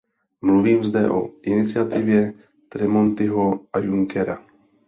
Mluvím zde o iniciativě Tremontiho a Junckera.